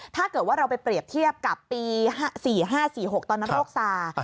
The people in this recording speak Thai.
ถ้าเกิดว่าเราไปเปรียบเทียบกับปี๔๕๔๖ตอนนั้นโรคซา